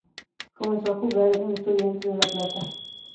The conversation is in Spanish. Comenzó a jugar en Estudiantes de La Plata.